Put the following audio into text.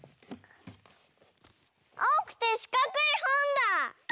あおくてしかくいほんだ！